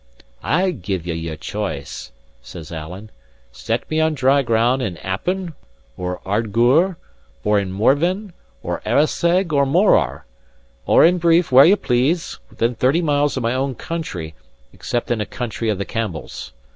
"I give ye your choice," says Alan. "Set me on dry ground in Appin, or Ardgour, or in Morven, or Arisaig, or Morar; or, in brief, where ye please, within thirty miles of my own country; except in a country of the Campbells.